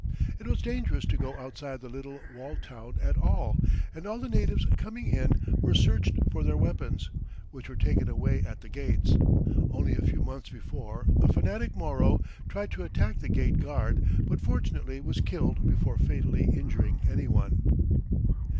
It was dangerous to go outside the little walled town at all, and all the natives coming in were searched for their weapons, which were taken away at the gates. Only a few months before, a fanatic Moro tried to attack the gate guard, but fortunately was killed before fatally injuring any one. [Illustration: MORO BOATS.